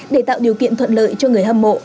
để tạo điều kiện thuận lợi cho người hâm mộ